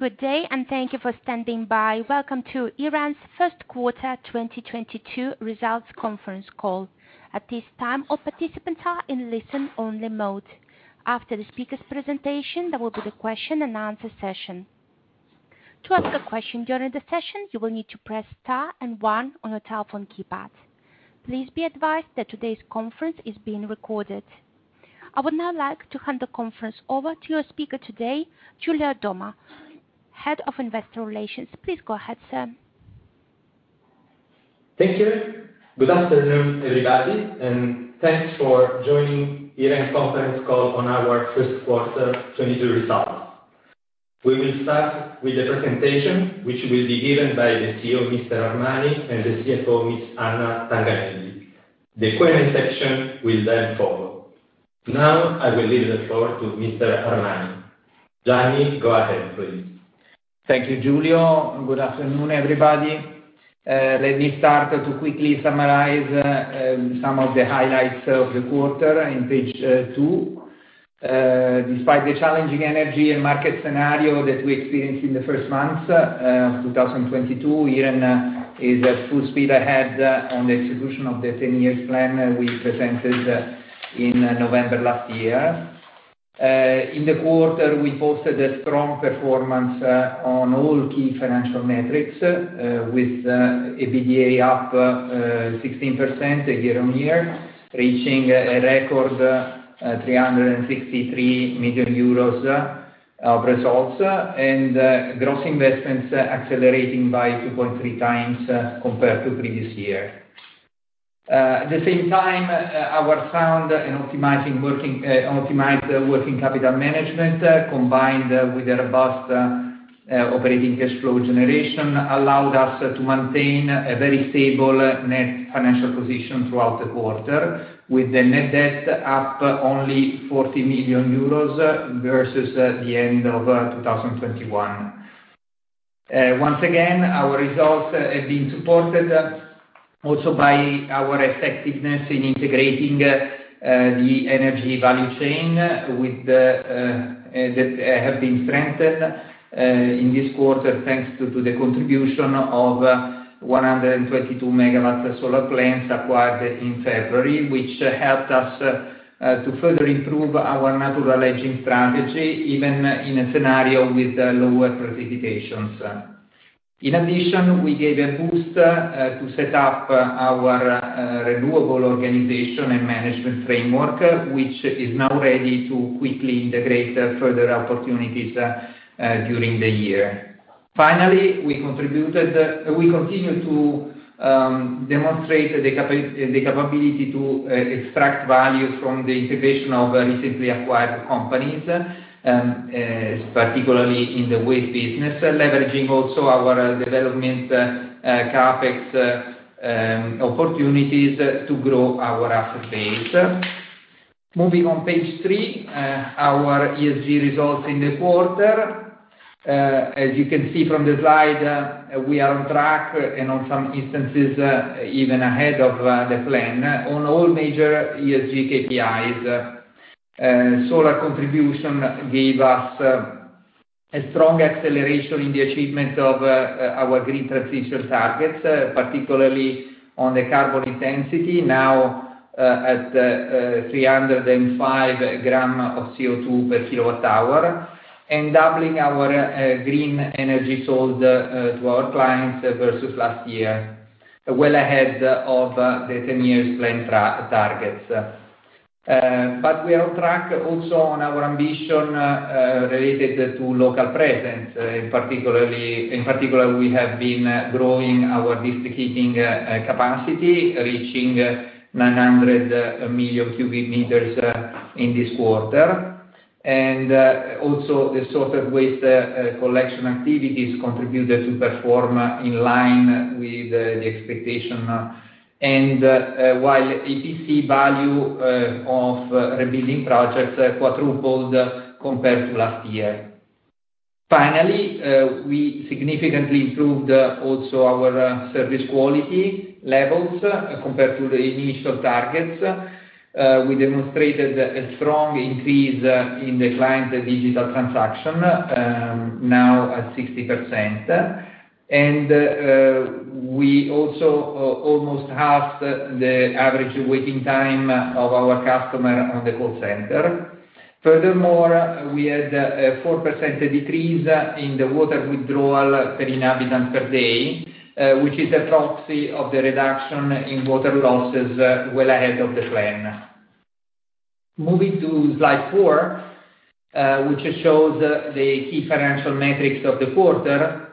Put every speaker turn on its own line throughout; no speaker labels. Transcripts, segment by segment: Good day, and thank you for standing by. Welcome to Iren's First Quarter 2022 Results Conference Call. At this time, all participants are in listen-only mode. After the speaker's presentation, there will be the Q&A session. To ask a question during the session, you will need to press star and One on your telephone keypad. Please be advised that today's conference is being recorded. I would now like to hand the conference over to your speaker today, Giulio Domma, Head of Investor Relations. Please go ahead, sir.
Thank you. Good afternoon, everybody, and thanks for joining Iren conference call on our first quarter 2022 results. We will start with the presentation, which will be given by the CEO, Mr. Armani, and the CFO, Ms. Anna Tanganelli. The Q&A section will then follow. Now I will leave the floor to Mr. Armani. Gianni, go ahead, please.
Thank you, Giulio, and good afternoon, everybody. Let me start to quickly summarize some of the highlights of the quarter in page two. Despite the challenging energy and market scenario that we experienced in the first months of 2022, Iren is at full speed ahead on the execution of the 10-year plan we presented in November last year. In the quarter, we posted a strong performance on all key financial metrics, with EBITDA up 16% year-on-year, reaching a record 363 million euros of results, and gross investments accelerating by 2.3x compared to previous year. At the same time, our sound in optimizing working capital management, combined with a robust operating cash flow generation, allowed us to maintain a very stable net financial position throughout the quarter, with the net debt up only 40 million euros versus the end of 2021. Once again, our results have been supported also by our effectiveness in integrating the energy value chain that have been strengthened in this quarter, thanks to the contribution of 122 MW solar plants acquired in February, which helped us to further improve our natural hedging strategy, even in a scenario with lower precipitation. In addition, we gave a boost to set up our renewable organization and management framework, which is now ready to quickly integrate further opportunities during the year. Finally, we continue to demonstrate the capability to extract value from the integration of recently acquired companies, particularly in the waste business, leveraging also our development CapEx opportunities to grow our asset base. Moving on page three, our ESG results in the quarter. As you can see from the slide, we are on track and on some instances even ahead of the plan on all major ESG KPIs. Solar contribution gave us a strong acceleration in the achievement of our green transition targets, particularly on the carbon intensity. Now at 305 g of CO2 per kWh and doubling our green energy sold to our clients versus last year, well ahead of the 10-year plan targets. We are on track also on our ambition related to local presence. In particular, we have been growing our district heating capacity, reaching 900,000,000 cu m in this quarter. Also the sorted waste collection activities contributed to performance in line with expectations, while EPC value of rebuilding projects quadrupled compared to last year. Finally, we significantly improved also our service quality levels compared to the initial targets. We demonstrated a strong increase in the client digital transactions now at 60%. We also almost halved the average waiting time of our customers on the call center. Furthermore, we had a 4% decrease in the water withdrawal per inhabitant per day, which is a proxy of the reduction in water losses well ahead of the plan. Moving to slide four, which shows the key financial metrics of the quarter.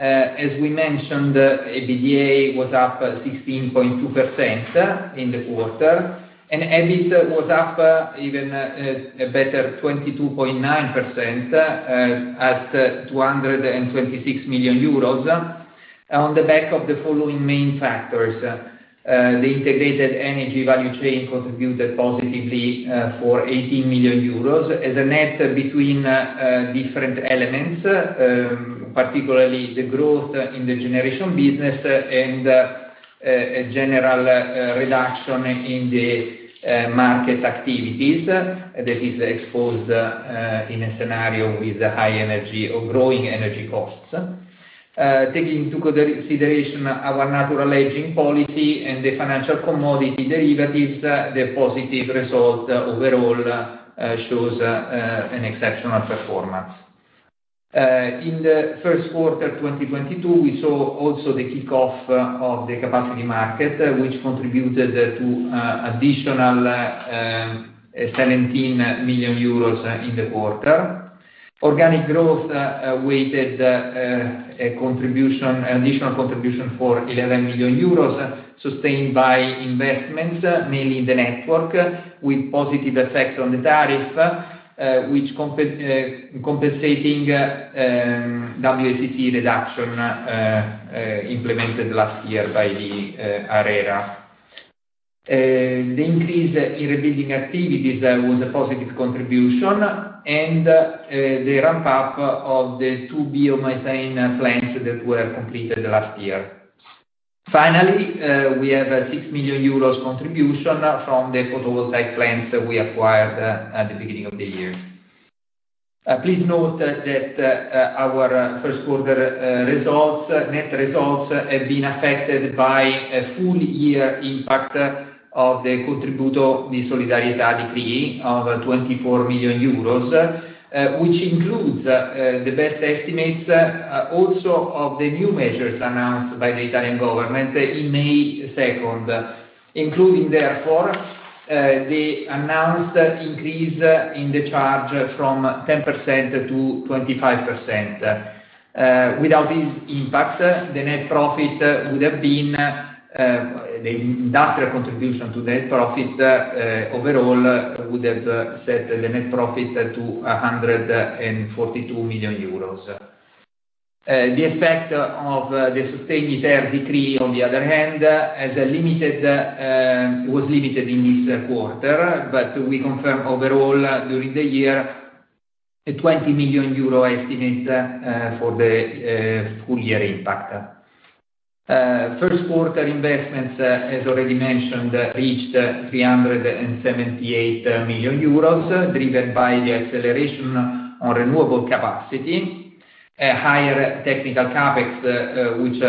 As we mentioned, EBITDA was up 16.2% in the quarter, and EBIT was up even, a better 22.9%, at 226 million euros. On the back of the following main factors, the integrated energy value chain contributed positively, for 18 million euros as a net between, different elements, particularly the growth in the generation business and, a general, reduction in the, market activities, that is exposed, in a scenario with a high energy or growing energy costs. Taking into consideration our natural hedging policy and the financial commodity derivatives, the positive results overall, shows, an exceptional performance. In the first quarter 2022, we saw also the kickoff of the capacity market, which contributed to additional 17 million euros in the quarter. Organic growth weighted an additional contribution for 11 million euros, sustained by investments mainly in the network with positive effects on the tariff compensating WACC reduction implemented last year by the ARERA. The increase in rebuilding activities was a positive contribution, and the ramp-up of the two biomethane plants that were completed last year. Finally, we have a 6 million euros contribution from the photovoltaic plants that we acquired at the beginning of the year. Please note that our first quarter results, net results, have been affected by a full year impact of the contributo di solidarietà decree of 24 million euros, which includes the best estimates also of the new measures announced by the Italian government in May 2nd, including therefore the announced increase in the charge from 10%-25%. Without this impact, the net profit would have been the industrial contribution to net profit overall would have set the net profit to 142 million euros. The effect of the Sostegni ter decree, on the other hand, was limited in this quarter, but we confirm overall during the year a 20 million euro estimate for the full year impact. First quarter investments, as already mentioned, reached 378 million euros, driven by the acceleration on renewable capacity, a higher technical CapEx, which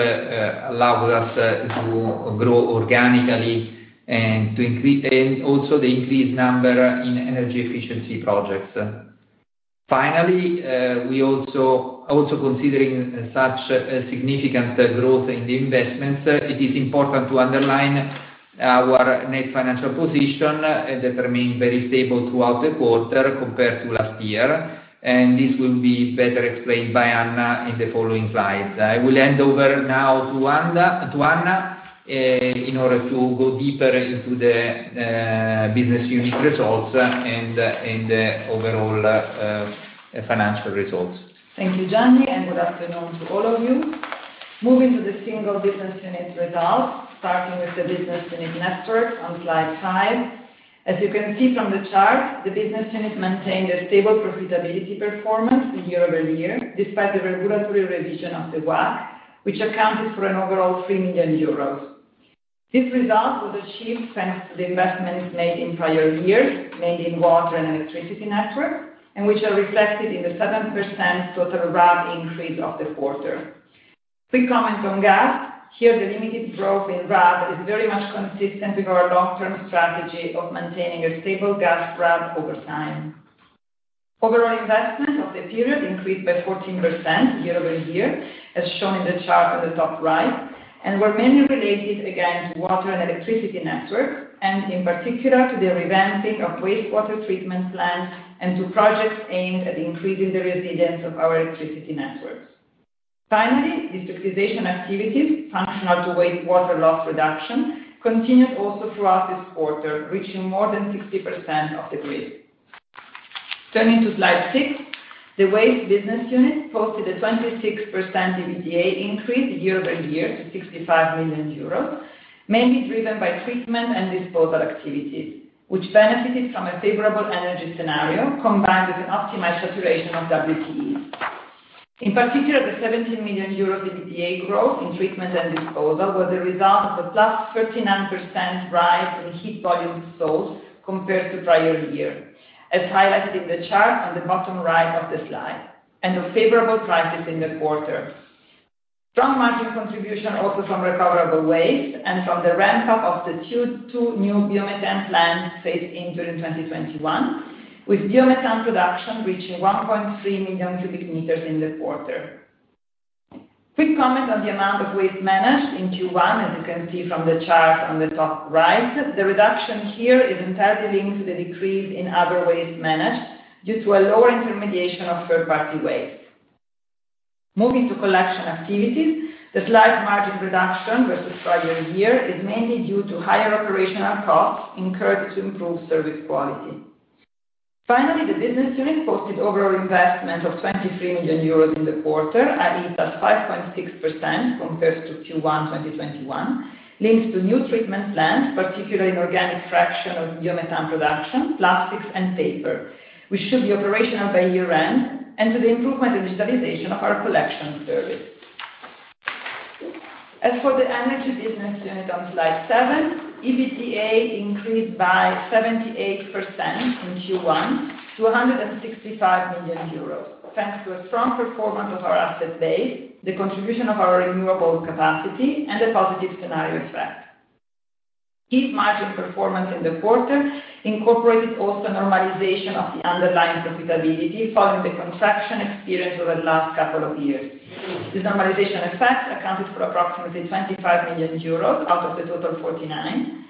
allowed us to grow organically and to increase the number in energy efficiency projects. Finally, considering such a significant growth in the investments, it is important to underline our net financial position that remained very stable throughout the quarter compared to last year, and this will be better explained by Anna in the following slides. I will hand over now to Anna in order to go deeper into the business unit results and overall financial results.
Thank you, Gianni, and good afternoon to all of you. Moving to the single business unit results, starting with the business unit network on slide five. As you can see from the chart, the business unit maintained a stable profitability performance year-over-year, despite the regulatory revision of the WACC, which accounted for an overall 3 million euros. This result was achieved thanks to the investments made in prior years in water and electricity network, and which are reflected in the 7% total RAB increase of the quarter. Quick comment on gas. Here, the limited growth in RAB is very much consistent with our long-term strategy of maintaining a stable gas RAB over time. Overall investment of the period increased by 14% year-over-year, as shown in the chart on the top right, and were mainly related again to water and electricity network, and in particular to the revamping of wastewater treatment plants and to projects aimed at increasing the resilience of our electricity networks. Finally, the structurization activities functional to wastewater loss reduction continued also throughout this quarter, reaching more than 60% of the grid. Turning to slide six, the waste business unit posted a 26% EBITDA increase year-over-year to 65 million euros, mainly driven by treatment and disposal activities, which benefited from a favorable energy scenario combined with an optimized saturation of WTE. In particular, the 17 million euros EBITDA growth in treatment and disposal were the result of a +39% rise in heat volume sold compared to prior year, as highlighted in the chart on the bottom right of the slide, and of favorable prices in the quarter. Strong margin contribution also from recoverable waste and from the ramp-up of the two new biomethane plants phased in during 2021, with biomethane production reaching 1.3 million cu m in the quarter. Quick comment on the amount of waste managed in Q1, as you can see from the chart on the top right. The reduction here is entirely linked to the decrease in other waste managed due to a lower intermediation of third-party waste. Moving to collection activities, the slight margin reduction versus prior year is mainly due to higher operational costs incurred to improve service quality. Finally, the business unit posted overall investment of 23 million euros in the quarter, up at least 5.6% compared to Q1 2021, linked to new treatment plants, particularly in organic fraction of biomethane production, plastics and paper, which should be operational by year-end, and to the improvement in digitization of our collection service. As for the energy business unit on slide seven, EBITDA increased by 78% in Q1 to 165 million euros, thanks to a strong performance of our asset base, the contribution of our renewable capacity, and a positive scenario effect. This margin performance in the quarter incorporated also normalization of the underlying profitability following the contraction experienced over the last couple of years. This normalization effect accounted for approximately 25 million euros out of the total 49 million.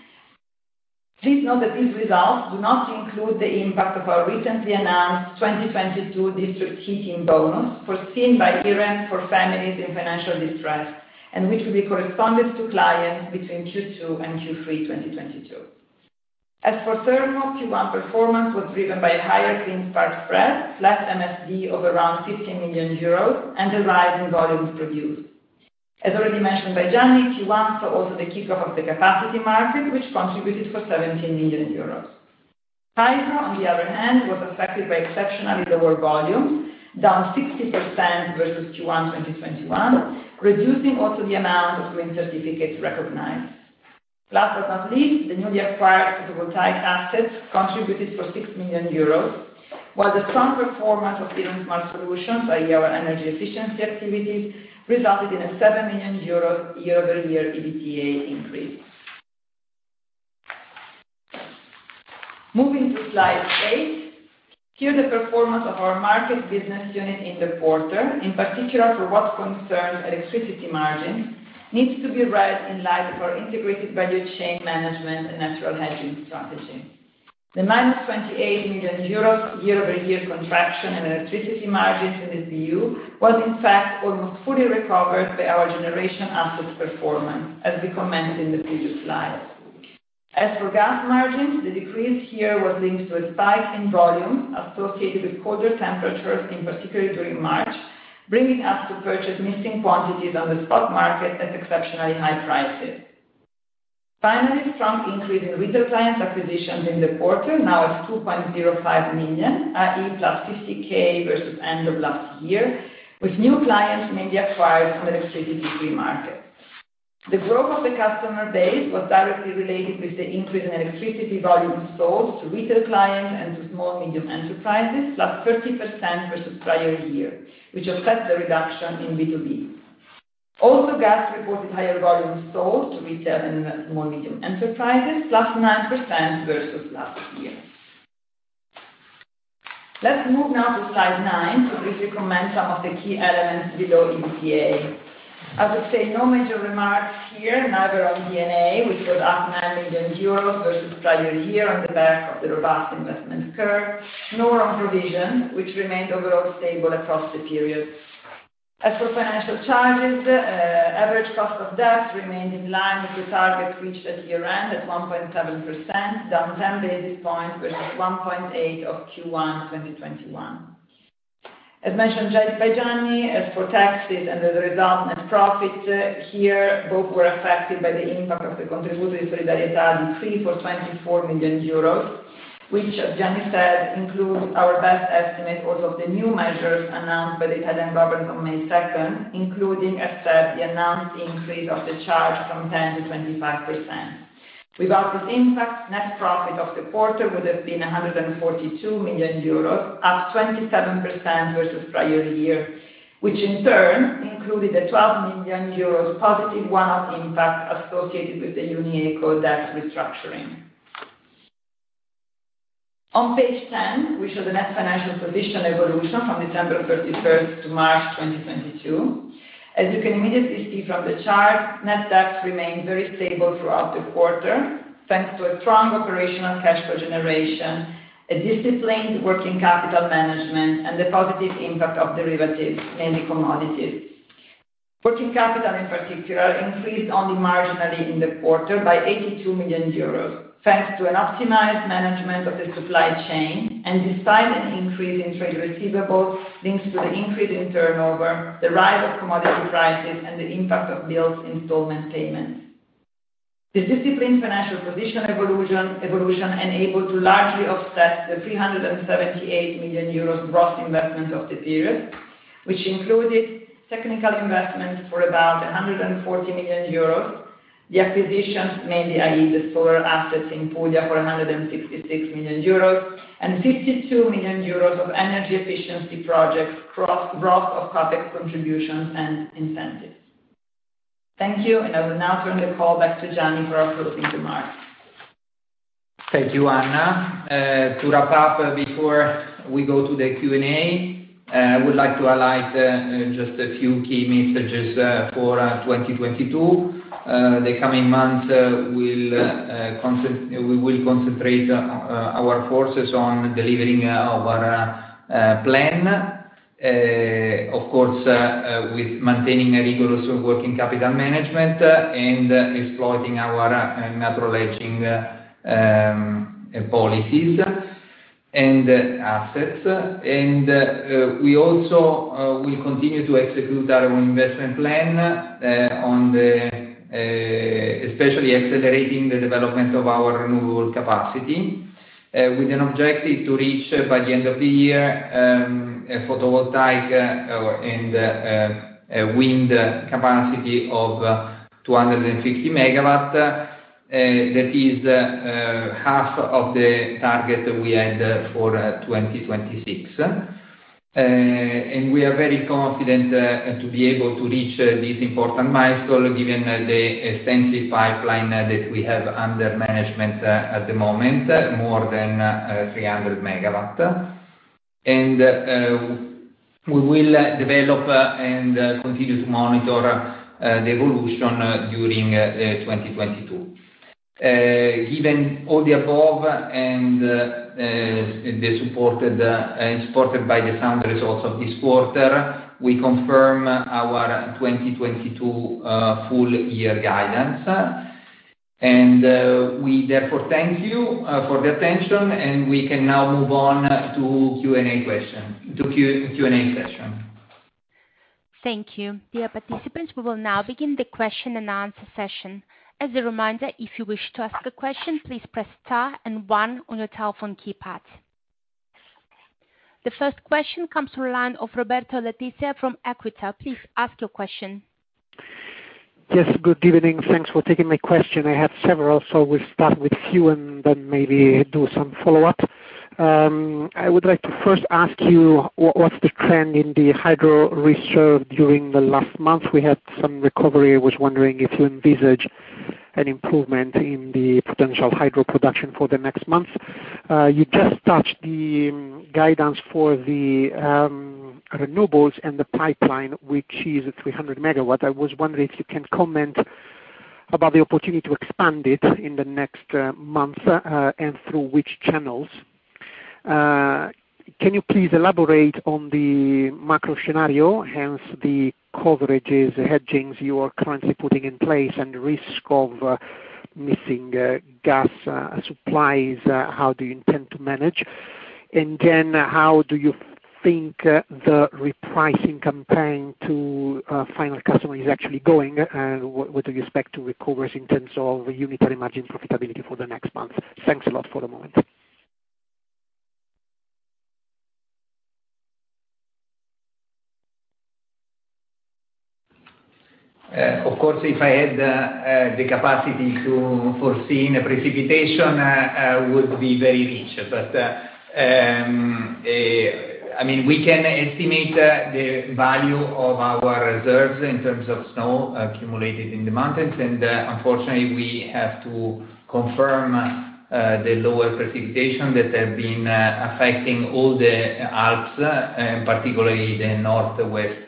Please note that these results do not include the impact of our recently announced 2022 district heating bonus, foreseen by Iren for families in financial distress, and which will be corresponded to clients between Q2 and Q3 2022. As for Thermo, Q1 performance was driven by higher clean spark spreads, plus MSD of around 15 million euros, and a rise in volume produced. As already mentioned by Gianni, Q1 saw also the kickoff of the capacity market, which contributed for 17 million euros. Hydro, on the other hand, was affected by exceptionally lower volume, down 60% versus Q1 2021, reducing also the amount of green certificates recognized. Last but not least, the newly acquired photovoltaic assets contributed for 6 million euros, while the strong performance of Iren Smart Solutions, i.e. our energy efficiency activities, resulted in a 7 million euro year-over-year EBITDA increase. Moving to slide eight. Here the performance of our market business unit in the quarter, in particular for what concerns electricity margins, needs to be read in light of our integrated value chain management and natural hedging strategy. The minus 28 million euros year-over-year contraction in electricity margins in the BU was, in fact, almost fully recovered by our generation assets performance, as we commented in the previous slide. As for gas margins, the decrease here was linked to a spike in volume associated with colder temperatures, in particular during March, bringing us to purchase missing quantities on the spot market at exceptionally high prices. Finally, strong increase in retail clients acquisitions in the quarter, now at 2.05 million, i.e. plus 60K versus end of last year, with new clients mainly acquired from electricity free markets. The growth of the customer base was directly related with the increase in electricity volume sold to retail clients and to small medium enterprises, +30% versus prior year, which offset the reduction in B2B. Also, gas reported higher volume sold to retail and small medium enterprises, +9% versus last year. Let's move now to slide nine to briefly comment some of the key elements below EBITDA. I would say no major remarks here, neither on D&A, which was up 9 million euros versus prior year on the back of the robust investment curve, nor on provision, which remained overall stable across the period. As for financial charges, average cost of debt remained in line with the target reached at year-end, at 1.7%, down 10 basis points versus 1.8% of Q1 2021. As mentioned by Gianni, as for taxes and the resultant net profit, here both were affected by the impact of the contributo di solidarietà decree for 24 million euros, which, as Gianni said, includes our best estimate also of the new measures announced by the Italian government on May second, including, as said, the announced increase of the charge from 10%-25%. Without this impact, net profit of the quarter would have been 142 million euros, up 27% versus prior year, which in turn included a 12 million euros positive one-off impact associated with the Unieco debt restructuring. On page 10, we show the net financial position evolution from December 31st to March 2022. As you can immediately see from the chart, net debt remained very stable throughout the quarter, thanks to a strong operational cash flow generation, a disciplined working capital management, and the positive impact of derivatives, mainly commodities. Working capital, in particular, increased only marginally in the quarter by 82 million euros, thanks to an optimized management of the supply chain and despite an increase in trade receivables linked to the increase in turnover, the rise of commodity prices, and the impact of bills installment payments. The disciplined financial position evolution enabled to largely offset the 378 million euros gross investment of the period, which included technical investments for about 140 million euros, the acquisitions, mainly, i.e., the solar assets in Puglia for 166 million euros, and 52 million euros of energy efficiency projects gross of public contributions and incentives. Thank you, and I will now turn the call back to Gianni for our closing remarks.
Thank you, Anna. To wrap up, before we go to the Q&A, I would like to highlight just a few key messages for 2022. The coming months, we will concentrate our forces on delivering our plan, of course, with maintaining a rigorous working capital management and exploiting our natural hedging policies and assets. We also will continue to execute our own investment plan, especially accelerating the development of our renewable capacity, with an objective to reach by the end of the year a photovoltaic and wind capacity of 250 MW, that is half of the target that we had for 2026. We are very confident to be able to reach this important milestone, given the extensive pipeline that we have under management at the moment, more than 300 MW. We will develop and continue to monitor the evolution during 2022. Given all the above and supported by the sound results of this quarter, we confirm our 2022 full year guidance. We therefore thank you for the attention, and we can now move on to the Q&A session.
Thank you. Dear participants, we will now begin the Q&A session. As a reminder, if you wish to ask a question, please press star and one on your telephone keypad. The first question comes from the line of Roberto Letizia from Equita. Please ask your question.
Yes. Good evening. Thanks for taking my question. I have several, so we'll start with a few and then maybe do some follow-up. I would like to first ask you what's the trend in the hydro reserve during the last month? We had some recovery. I was wondering if you envisage an improvement in the potential hydro production for the next month. You just touched the guidance for the renewables and the pipeline, which is 300 MW. I was wondering if you can comment about the opportunity to expand it in the next month and through which channels. Can you please elaborate on the macro scenario, hence the coverages, hedgings you are currently putting in place and risk of missing gas supplies, how do you intend to manage? Then how do you think the repricing campaign to final customer is actually going, and what do you expect to recover in terms of unitary margin profitability for the next month? Thanks a lot for the moment.
Of course, if I had the capacity to foresee any precipitation, I would be very rich. I mean, we can estimate the value of our reserves in terms of snow accumulated in the mountains. Unfortunately, we have to confirm the lower precipitation that have been affecting all the Alps, particularly the Northwest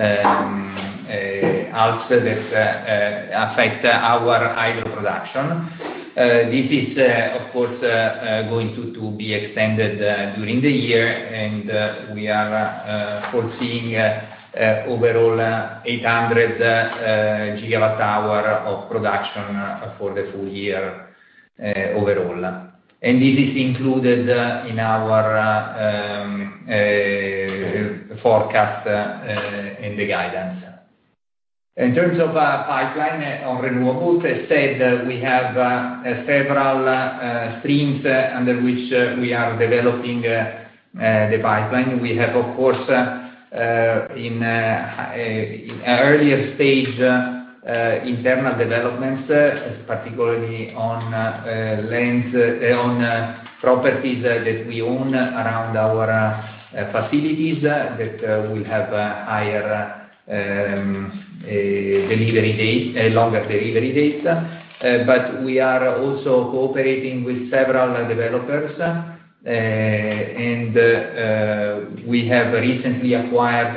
Alps that affect our Hydro production. This is, of course, going to be extended during the year. We are foreseeing overall 800 GWh of production for the full year, overall. This is included in our forecast in the guidance. In terms of pipeline on renewables, as said, we have several streams under which we are developing the pipeline. We have of course, in an earlier stage, internal developments, particularly on properties that we own around our facilities, that will have a higher delivery date, a longer delivery date. But we are also cooperating with several developers, and we have recently acquired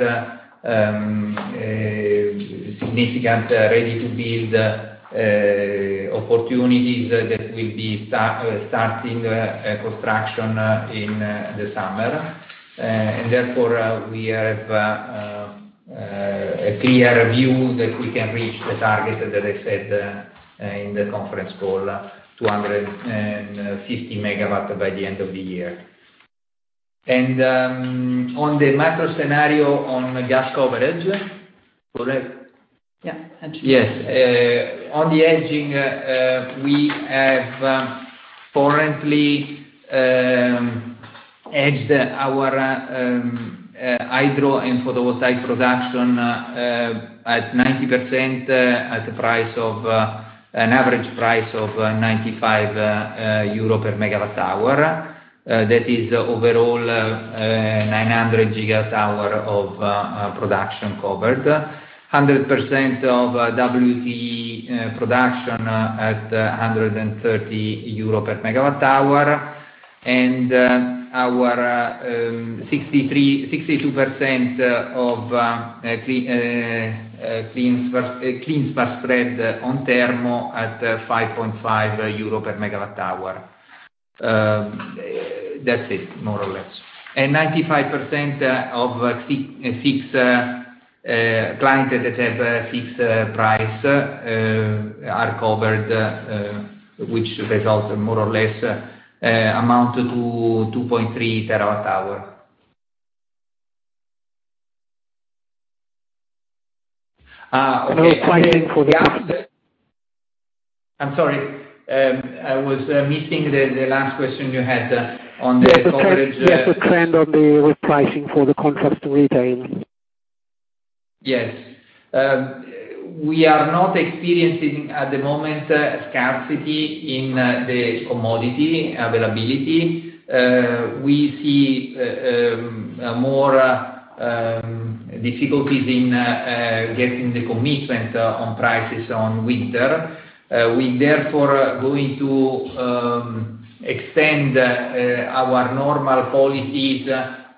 a significant ready-to-build opportunities that will be starting construction in the summer. Therefore, we have a clear view that we can reach the target that I said in the conference call, 250 MW by the end of the year. On the macro scenario on gas coverage. Correct?
Yeah.
Yes. On the hedging, we have currently hedged our hydro and photovoltaic production at 90% at a price of an average price of 95 euro per MWh. That is overall 900 GWh of production covered. 100% of WTE production at 130 EUR per MWh. Our 62% of clean spark spread on Thermo at 5.5 euro per MWh. That's it, more or less. 95% of six clients that have a fixed price are covered, which results in more or less amount to 2.3 TWh. Okay. I'm sorry, I was missing the last question you had on the coverage.
Yes, the trend on the repricing for the contracts to retain.
Yes. We are not experiencing at the moment scarcity in the commodity availability. We see more difficulties in getting the commitment on prices on winter. We therefore are going to extend our normal policies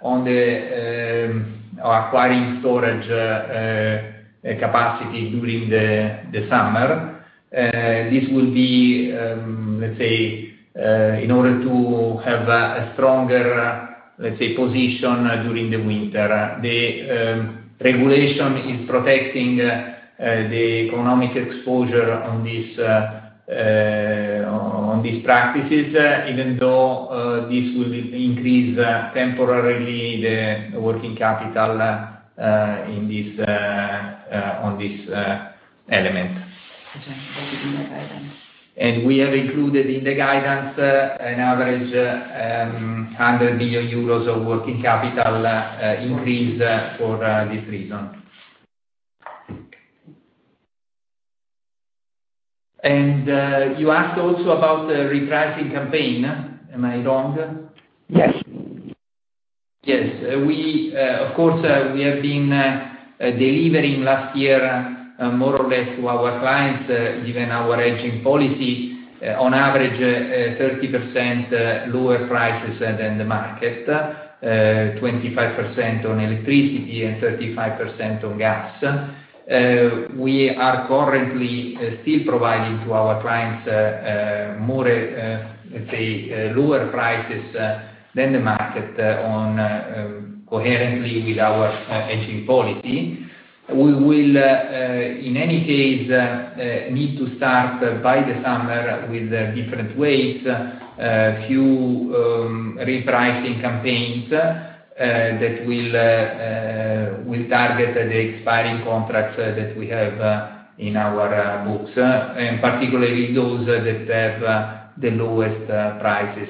on the acquiring storage capacity during the summer. This will be, let's say, in order to have a stronger, let's say, position during the winter. The regulation is protecting the economic exposure on this on these practices, even though this will increase temporarily the working capital in this on this element.
Okay. That will be in the guidance.
We have included in the guidance an average 100 billion euros of working capital increase for this reason. You asked also about the repricing campaign. Am I wrong?
Yes.
Yes. We, of course, we have been delivering last year, more or less to our clients, given our hedging policy, on average, 30% lower prices than the market, 25% on electricity and 35% on gas. We are currently still providing to our clients, more, let's say, lower prices than the market, on, coherently with our hedging policy. We will, in any case, need to start by the summer with different ways, a few repricing campaigns that will target the expiring contracts that we have in our books, and particularly those that have the lowest prices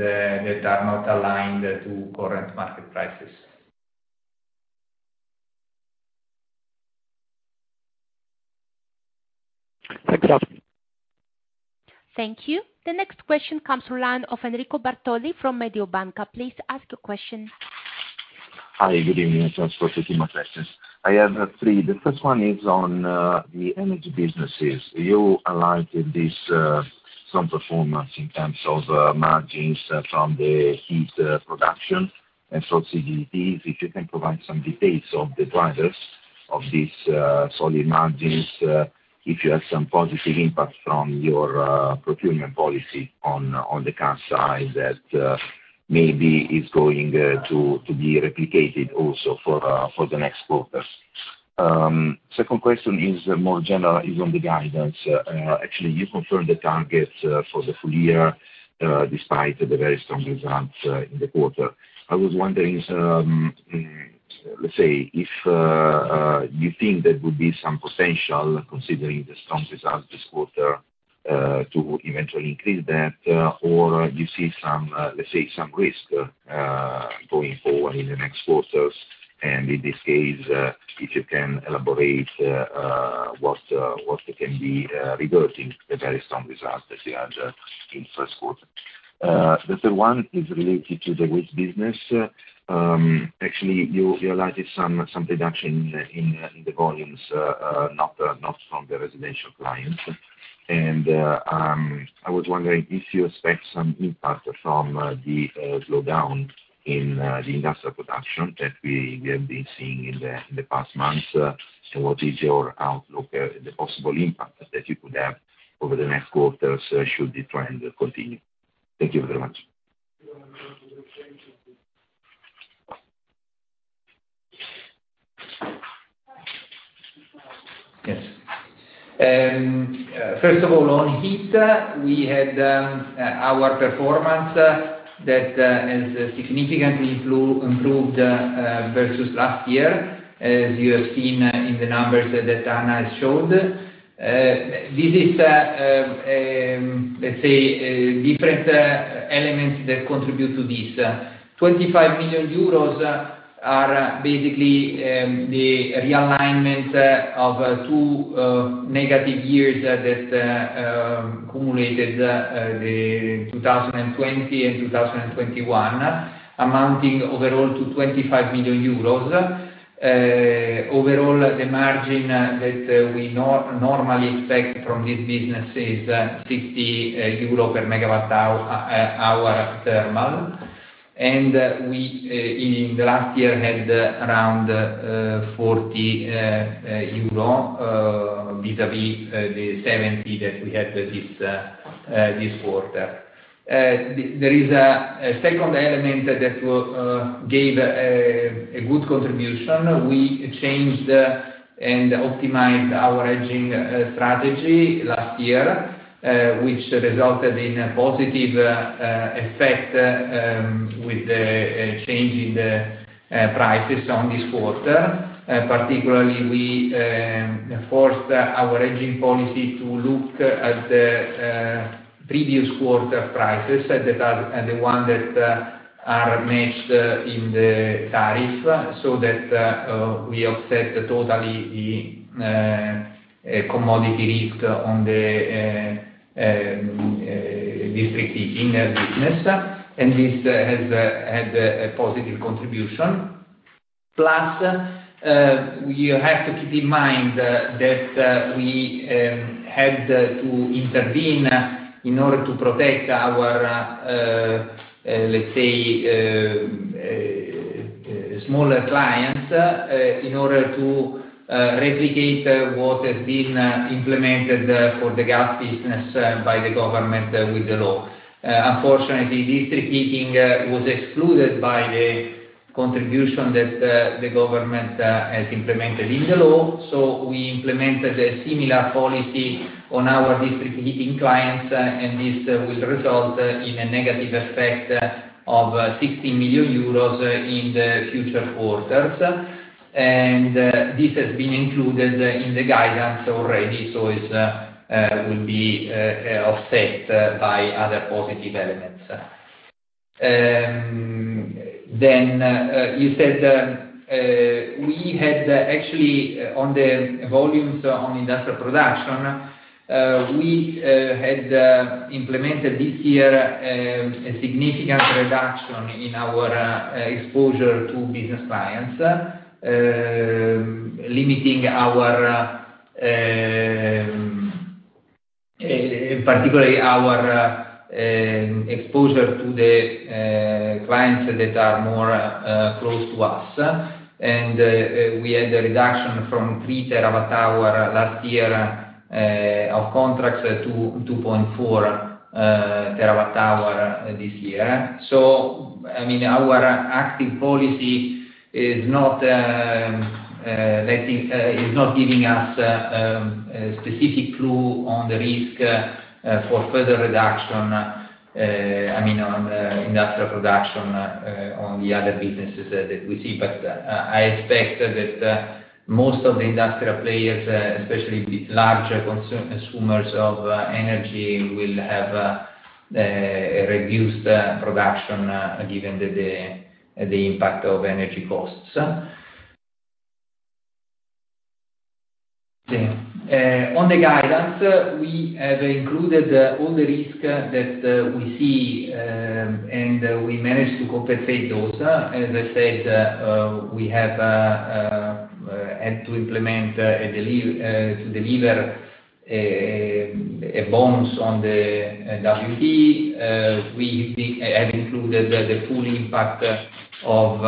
and that are not aligned to current market prices.
Thank you, Gianni.
Thank you. The next question comes from the line of Enrico Bartoli from Mediobanca. Please ask your question.
Hi. Good evening. Thanks for taking my questions. I have three. The first one is on the energy businesses. You highlighted this some performance in terms of margins from the heat production and from CHP. If you can provide some details of the drivers of these solid margins, if you have some positive impact from your procurement policy on the cash side that maybe is going to be replicated also for the next quarters. Second question is more general, is on the guidance. Actually, you confirmed the targets for the full year despite the very strong results in the quarter. I was wondering, let's say, if you think there would be some potential considering the strong results this quarter, to eventually increase that, or you see some, let's say, some risk, going forward in the next quarters. In this case, if you can elaborate, what can be reversing the very strong results that you had in first quarter. The third one is related to the waste business. Actually, you highlighted some reduction in the volumes, not from the residential clients. I was wondering if you expect some impact from the slowdown in the industrial production that we have been seeing in the past months. What is your outlook, the possible impact that you could have over the next quarters, should the trend continue? Thank you very much.
Yes. First of all, on heat, we had our performance that has significantly improved versus last year, as you have seen in the numbers that Anna has showed. This is, let's say, different elements that contribute to this. 25 million euros are basically the realignment of two negative years that accumulated, the 2020 and 2021, amounting overall to 25 million euros. Overall, the margin that we normally expect from this business is 60 euro per megawatt hour thermal. We, in the last year, had around 40 euros vis-a-vis the 70 that we had this quarter. There is a second element that will gave a good contribution. We changed and optimized our hedging strategy last year, which resulted in a positive effect with the change in the prices in this quarter. Particularly, we forced our hedging policy to look at the previous quarter prices that are matched in the tariff, so that we offset totally the commodity risk on the district heating business. This has had a positive contribution. Plus, we have to keep in mind that we had to intervene in order to protect our, let's say, smaller clients, in order to replicate what has been implemented for the gas business by the government with the law. Unfortunately, district heating was excluded by the contribution that the government has implemented in the law. We implemented a similar policy on our district heating clients, and this will result in a negative effect of 60 million euros in the future quarters. This has been included in the guidance already, so it will be offset by other positive elements. You said we had actually on the volumes on industrial production implemented this year a significant reduction in our exposure to business clients, limiting particularly our exposure to the clients that are more close to us. We had a reduction from 3 TWh last year of contracts to 2.4 TWh this year. I mean, our active policy is not giving us a specific clue on the risk for further reduction, I mean, on industrial production, on the other businesses that we see. I expect that most of the industrial players, especially with larger consumers of energy, will have the reduced production, given the impact of energy costs. On the guidance, we have included all the risk that we see, and we managed to compensate those. As I said, we have had to deliver a bonus on the WTE. We have included the full impact of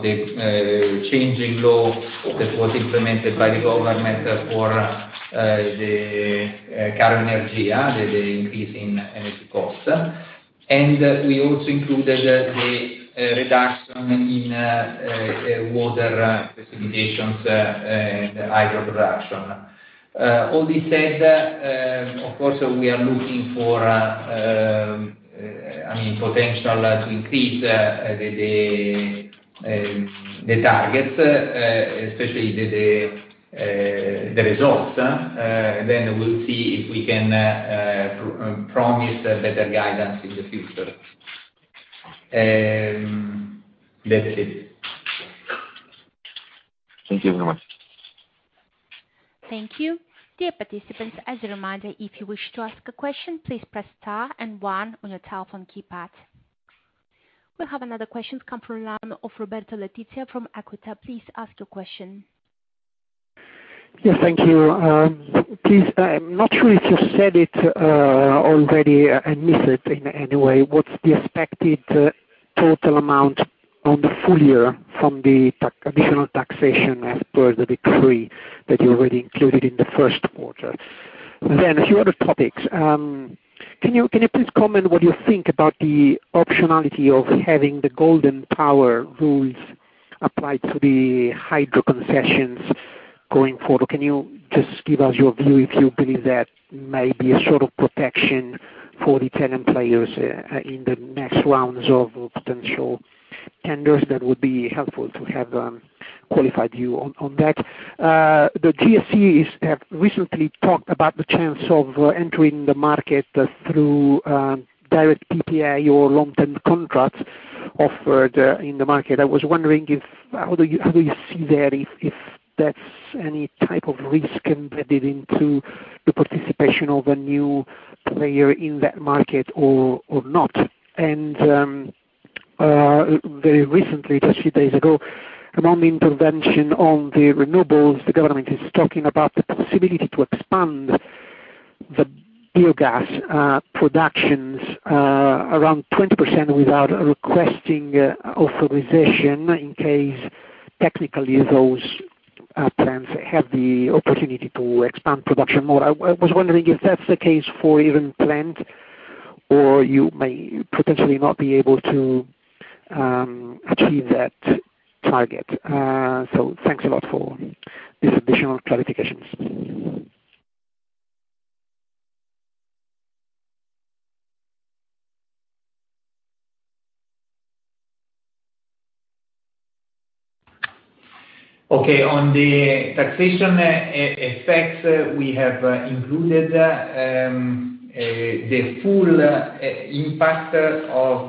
the changing law that was implemented by the government for the current energy the increase in energy costs. We also included the reduction in water precipitations and hydro production. All this said, of course, we are looking for, I mean, potential to increase the targets, especially the results. We'll see if we can promise a better guidance in the future. That's it.
Thank you very much.
Thank you. Dear participants, as a reminder, if you wish to ask a question, please press star and one on your telephone keypad. We have another question coming from the line of Roberto Letizia from Equita. Please ask your question.
Yes, thank you. Please, I'm not sure if you said it already, I missed it in any way. What's the expected total amount on the full year from the additional taxation as per the decree that you already included in the first quarter? A few other topics. Can you please comment what you think about the optionality of having the Golden Power rules applied to the hydro concessions going forward? Can you just give us your view if you believe that may be a sort of protection for the Italian players in the next rounds of potential tenders? That would be helpful to have qualified view on that. The GSE has recently talked about the chance of entering the market through direct PPA or long-term contracts offered in the market. I was wondering how do you see that if that's any type of risk embedded into the participation of a new player in that market or not? Very recently, just a few days ago, among the interventions on the renewables, the government is talking about the possibility to expand the biogas production around 20% without requesting authorization in case technically those plants have the opportunity to expand production more. I was wondering if that's the case for Iren plant. You may potentially not be able to achieve that target. Thanks a lot for these additional clarifications.
Okay. On the taxation effects, we have included the full impact of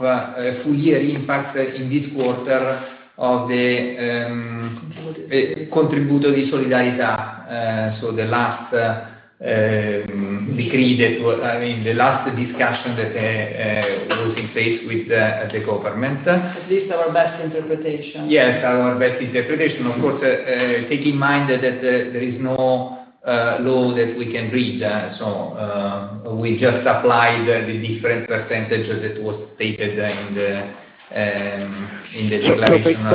full year impact in this quarter of the contributo di solidarietà. The last decree, I mean, the last discussion that was in place with the government.
At least our best interpretation.
Yes, our best interpretation. Of course, bearing in mind that there is no law that we can read. We just applied the different percentage that was stated in the declaration.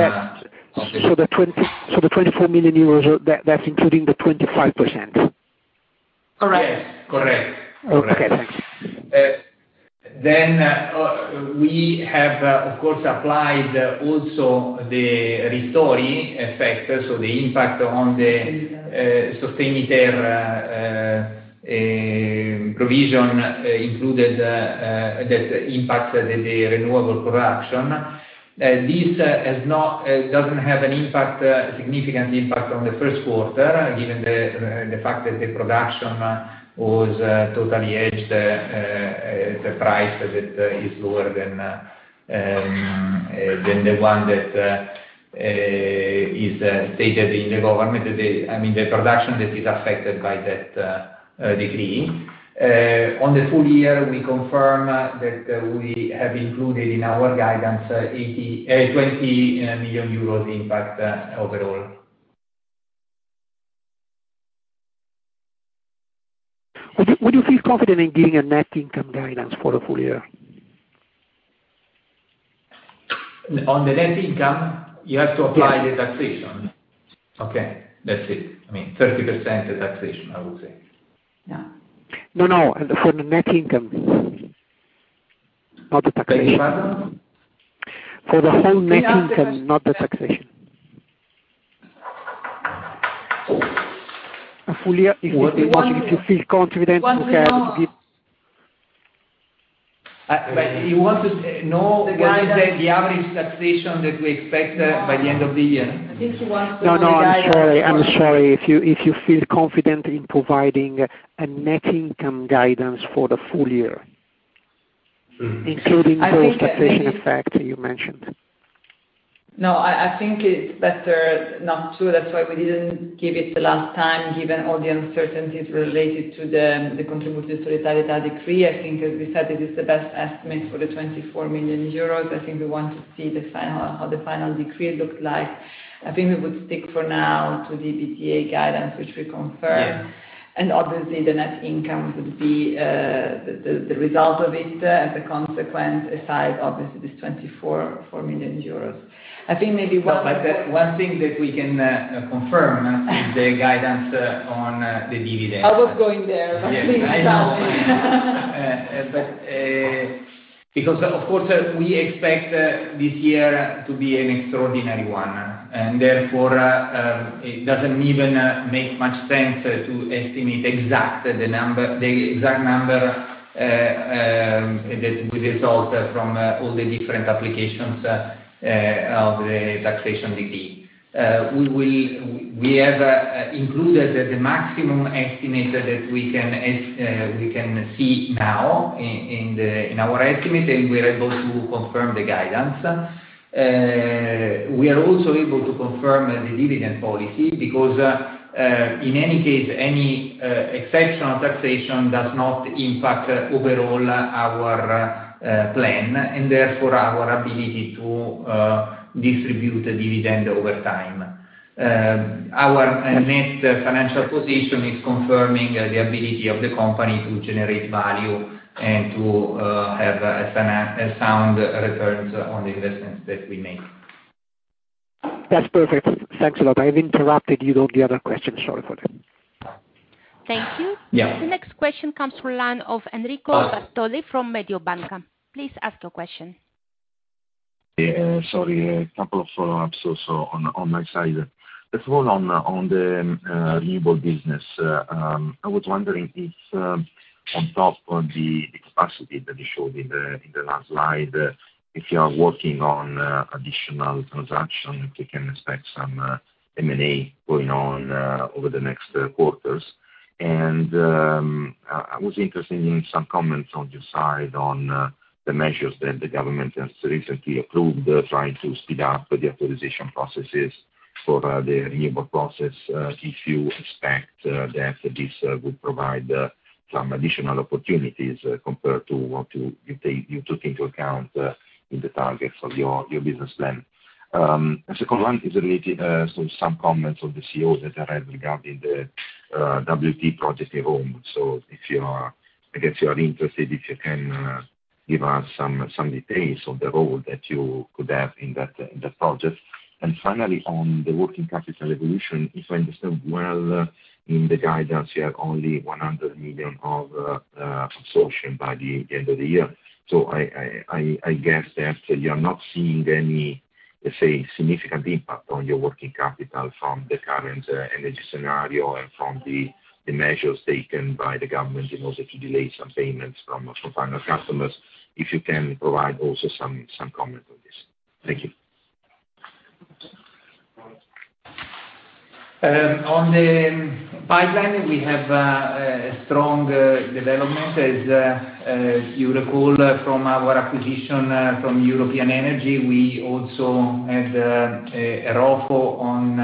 The 24 million euros, that's including the 25%?
Correct.
Yes. Correct.
Okay. Thanks.
We have, of course, applied also the Sostegni ter effect. The impact on the solidarity provision included that impacts the renewable production. This doesn't have a significant impact on the first quarter, given the fact that the production was totally hedged, the price that is lower than the one that is stated in the decree. I mean, the production that is affected by that decree. On the full year, we confirm that we have included in our guidance 20 million euros impact overall.
Would you feel confident in giving a net income guidance for the full year?
On the net income, you have to apply the taxation. Okay. That's it. I mean, 30% taxation, I would say.
Yeah.
No, no. For the net income, not the taxation. Beg your pardon? For the whole net income, not the taxation. A full year, if you feel confident to have this. What we know.
You want to know what is the average taxation that we expect by the end of the year?
I think he wants to know the guidance.
No, I'm sorry. If you feel confident in providing a net income guidance for the full year, including those taxation effects you mentioned.
No, I think it's better not to. That's why we didn't give it the last time, given all the uncertainties related to the contributo di solidarietà decree. I think as we said, it is the best estimate for 24 million euros. I think we want to see how the final decree looked like. I think we would stick for now to the EPS guidance, which we confirm. Yeah. Obviously, the net income would be the result of it as a consequence, aside, obviously, this 244 million euros. I think maybe one-
One thing that we can confirm is the guidance on the dividend.
I was going there, but please tell me.
Yes, I know. Because of course, we expect this year to be an extraordinary one, and therefore, it doesn't even make much sense to estimate the exact number that will result from all the different applications of the taxation decree. We have included the maximum estimate that we can see now in our estimate, and we're able to confirm the guidance. We are also able to confirm the dividend policy because, in any case, any exceptional taxation does not impact overall our plan and therefore our ability to distribute a dividend over time. Our net financial position is confirming the ability of the company to generate value and to have a sound returns on the investments that we make.
That's perfect. Thanks a lot. I have interrupted you on the other question. Sorry for that.
Thank you.
Yeah.
The next question comes from line of Enrico Bartoli from Mediobanca. Please ask your question.
Yeah. Sorry, a couple of follow-ups or so on my side. First of all, on the renewable business. I was wondering if, on top of the capacity that you showed in the last slide, if you are working on additional transaction, if we can expect some M&A going on over the next quarters. I was interested in some comments on your side on the measures that the government has recently approved, trying to speed up the authorization processes for the renewable projects. If you expect that this would provide some additional opportunities compared to what you took into account in the targets of your business plan. The second one is related, so some comments of the CEOs that I read regarding the WTE projects in Rome. If you are, I guess you are interested, if you can give us some details on the role that you could have in that the project. Finally, on the working capital evolution, if I understand well, in the guidance, you have only 100 million of absorption by the end of the year. I guess that you are not seeing any, let's say, significant impact on your working capital from the current energy scenario and from the measures taken by the government in order to delay some payments from final customers. If you can provide also some comment on this. Thank you.
On the pipeline, we have a strong development. As you recall from our acquisition from European Energy, we also had a ROFO on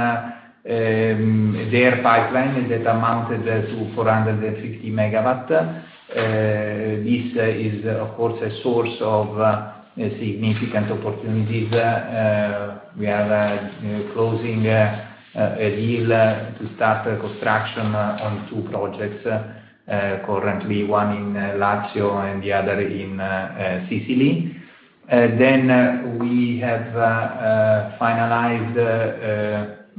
their pipeline that amounted to 450 MW. This is, of course, a source of significant opportunities. We are closing a deal to start construction on two projects currently, one in Lazio and the other in Sicily. We have finalized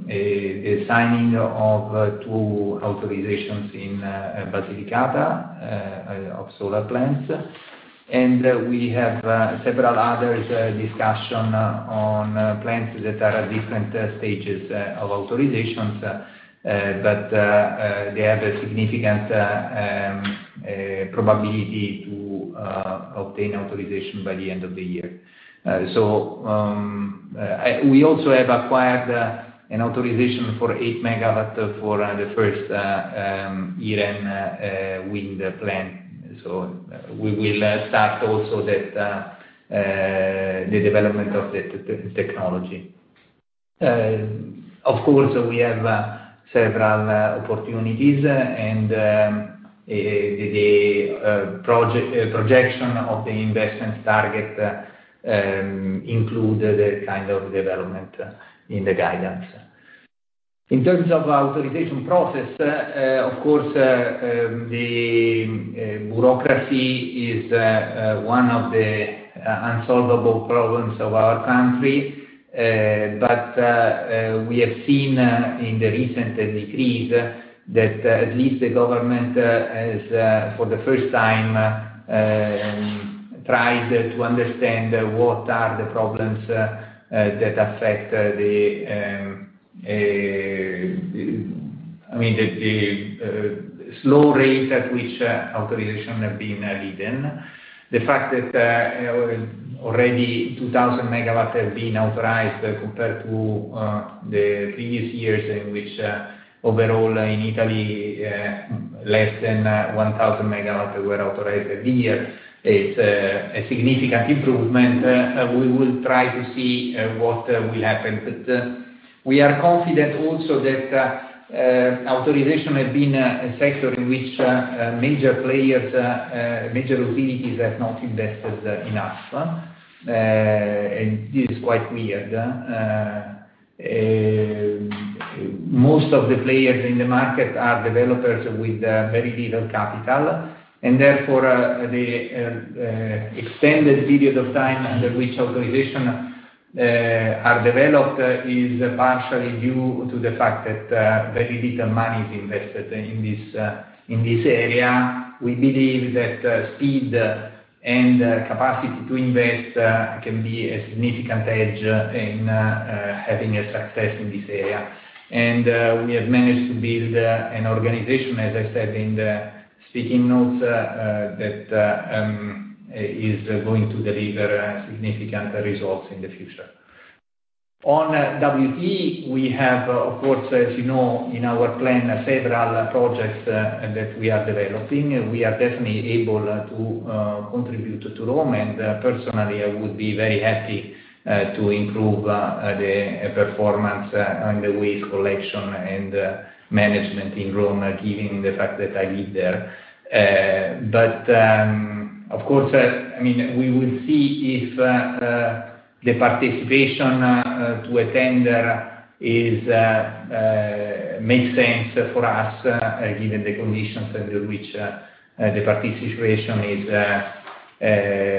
a signing of two authorizations in Basilicata of solar plants. We have several other discussions on plants that are at different stages of authorizations. They have a significant probability to obtain authorization by the end of the year. We also have acquired an authorization for 8 MW for the first Iren wind plant. We will start also that the development of that technology. Of course, we have several opportunities, and the projection of the investment target include that kind of development in the guidance. In terms of authorization process, of course, the bureaucracy is one of the unsolvable problems of our country. We have seen in the recent decrees that at least the government has for the first time tried to understand what are the problems that affect, I mean, the slow rate at which authorization have been given. The fact that already 2,000 MW have been authorized compared to the previous years in which overall in Italy less than 1,000 MW were authorized a year is a significant improvement. We will try to see what will happen. We are confident also that authorization has been a sector in which major players major utilities have not invested enough. This is quite weird. Most of the players in the market are developers with very little capital, and therefore the extended period of time under which authorization are developed is partially due to the fact that very little money is invested in this area. We believe that speed and capacity to invest can be a significant edge in having success in this area. We have managed to build an organization, as I said in the speaking notes, that is going to deliver significant results in the future. On WTE, we have, of course, as you know, in our plan, several projects that we are developing. We are definitely able to contribute to Rome, and personally, I would be very happy to improve the performance on the waste collection and management in Rome, given the fact that I live there. Of course, I mean, we will see if the participation to the tender makes sense for us, given the conditions under which the participation is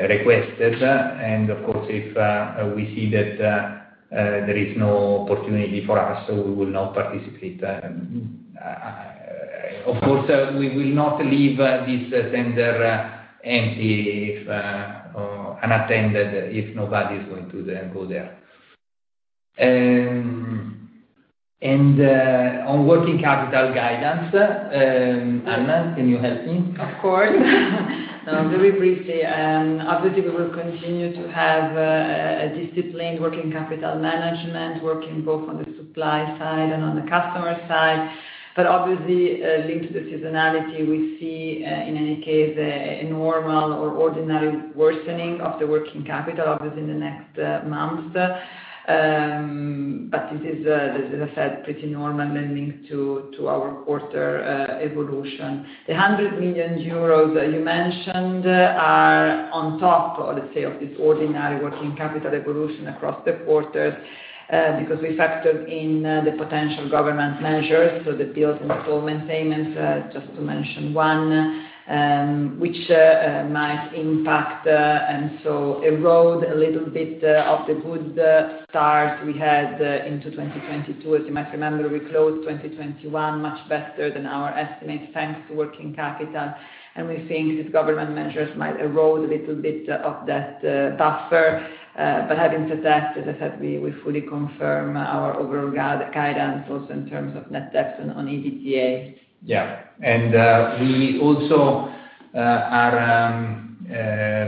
requested. Of course, if we see that there is no opportunity for us, so we will not participate. Of course, we will not leave this tender empty if unattended, if nobody is going to go there. On working capital guidance, Anna, can you help me?
Of course. Very briefly, obviously, we will continue to have a disciplined working capital management, working both on the supply side and on the customer side. Obviously, linked to the seasonality, we see, in any case, a normal or ordinary worsening of the working capital, obviously, in the next months. This is, as I said, pretty normal and linked to our quarter evolution. The 100 million euros that you mentioned are on top, let's say, of this ordinary working capital evolution across the quarters, because we factored in the potential government measures, so the bills installment payments, just to mention one, which might impact and so erode a little bit of the good start we had into 2022. As you might remember, we closed 2021 much better than our estimates, thanks to working capital. We think these government measures might erode a little bit of that buffer. Having said that, as I said, we fully confirm our overall guidance also in terms of net debt and on EBITDA.
We also are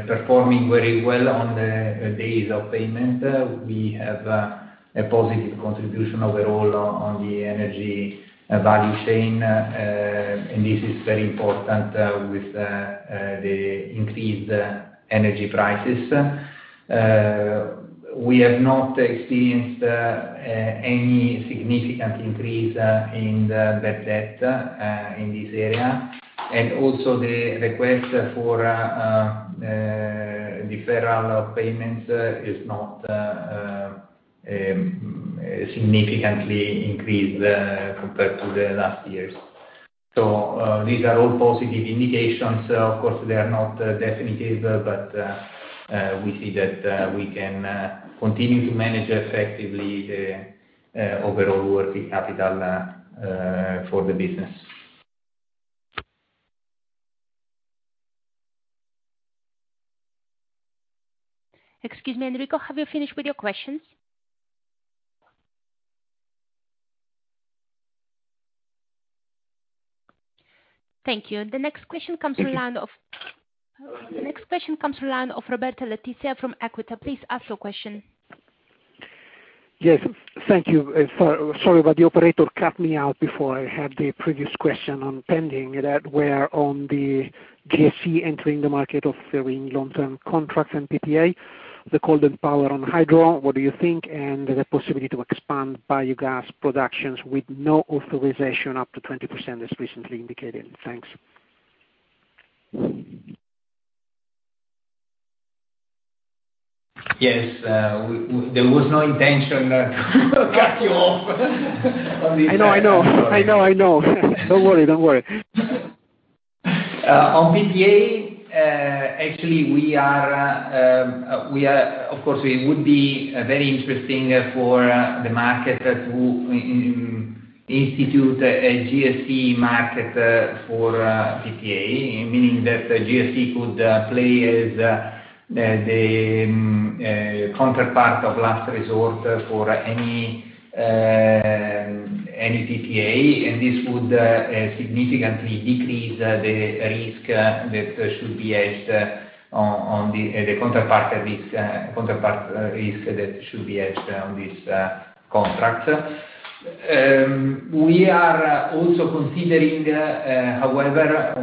performing very well on the days of payment. We have a positive contribution overall on the energy value chain, and this is very important with the increased energy prices. We have not experienced any significant increase in the bad debt in this area. The request for deferral of payments is not significantly increased compared to the last years. These are all positive indications. Of course, they are not definitive, but we see that we can continue to manage effectively the overall working capital for the business.
Excuse me, Enrico, have you finished with your questions? Thank you. The next question comes from the line of-
Thank you.
The next question comes from the line of Roberto Letizia from Equita. Please ask your question.
Yes, thank you. Sorry, but the operator cut me out before I had the previous question on pending that were on the GSE entering the market offering long-term contracts and PPA, the Golden Power on Hydro. What do you think? The possibility to expand biogas productions with no authorization up to 20% as recently indicated. Thanks.
Yes. There was no intention to cut you off.
I know. Don't worry.
On PPA, actually. Of course, it would be very interesting for the market to institute a GSE market for PPA. Meaning that GSE could play as the counterpart of last resort for any PPA, and this would significantly decrease the risk that should be assumed on the counterpart risk that should be assumed on this contract. We are also considering, however, I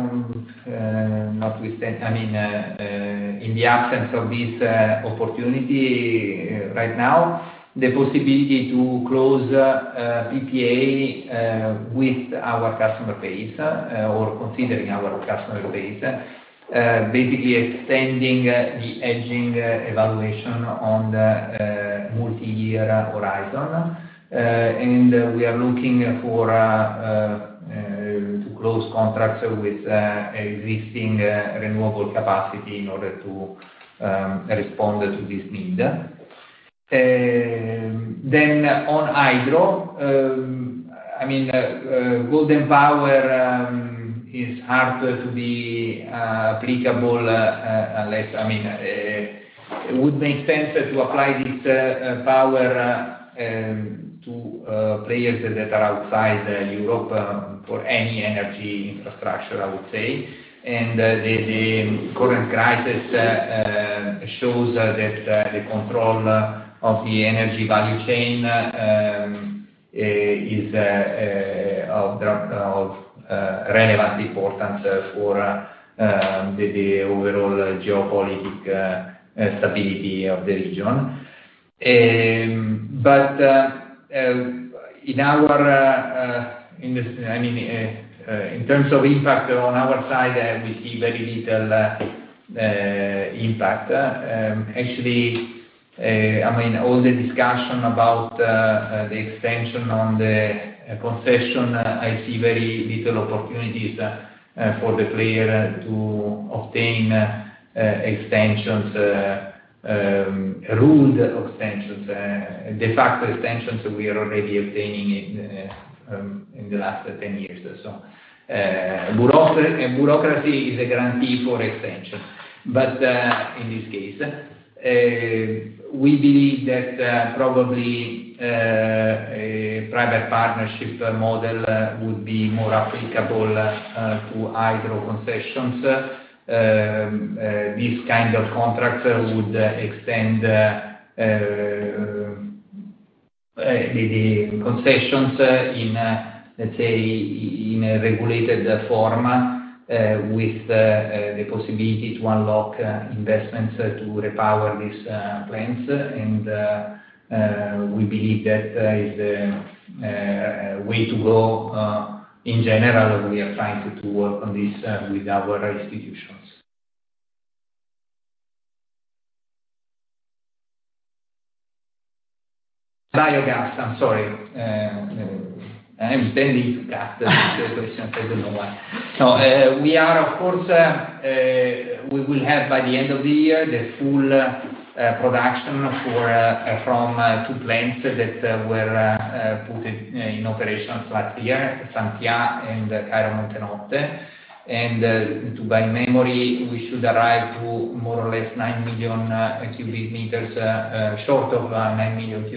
mean, in the absence of this opportunity right now, the possibility to close PPA with our customer base or considering our customer base, basically extending the hedging evaluation on the multi-year horizon. We are looking for to close contracts with existing renewable capacity in order to respond to this need. On hydro, I mean, Golden Power is hard to be applicable unless I mean, it would make sense to apply this power to players that are outside Europe for any energy infrastructure, I would say. The current crisis shows that the control of the energy value chain is of the relevant importance for the overall geopolitical stability of the region. In terms of impact on our side, we see very little impact. Actually, I mean, all the discussion about the extension on the concession, I see very little opportunities for the player to obtain regulated extensions. The de facto extensions we are already obtaining in the last 10 years or so. Bureaucracy is a guarantee for extension, but in this case. We believe that probably a private partnership model would be more applicable to Hydro concessions. This kind of contract would extend the concessions in, let's say, in a regulated form, with the possibility to unlock investments to repower these plants. We believe that is a way to go. In general, we are trying to work on this with our institutions. Biogas. I'm sorry. I'm very into gas these days. I don't know why. We will have, by the end of the year, the full production from two plants that were put in operation last year, Santhià and Cairo Montenotte. By memory, we should arrive to more or less 9, 000,000 cu m, short of 9,000,000 cu m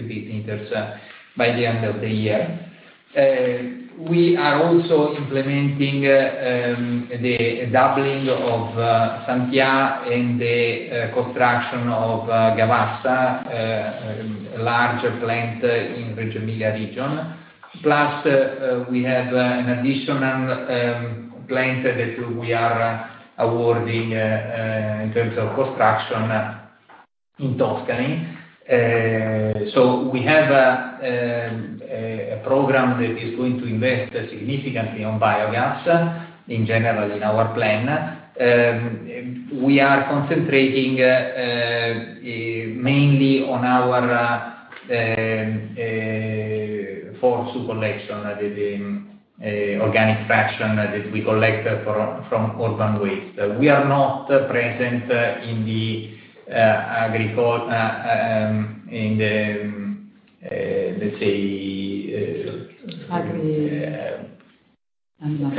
by the end of the year. We are also implementing the doubling of Santhià and the construction of Gavassa, a larger plant in Emilia region. Plus, we have an additional plant that we are awarding in terms of construction in Tuscany. We have a program that is going to invest significantly on biogas in general in our plan. We are concentrating mainly on our for collection the organic fraction that we collect from urban waste. We are not present in the let's say.
Agree. I'm done.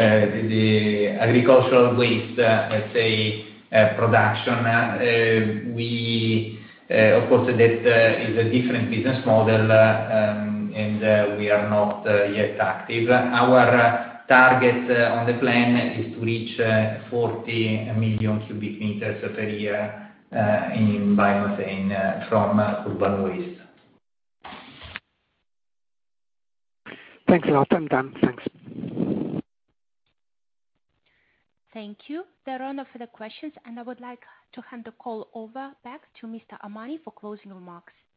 The agricultural waste, let's say, production. We, of course, that is a different business model, and we are not yet active. Our target on the plan is to reach 40,000,000 cu m per year in biomethane from urban waste.
Thanks a lot. I'm done. Thanks.
Thank you. There are no further questions, and I would like to hand the call over back to Mr. Armani for closing remarks.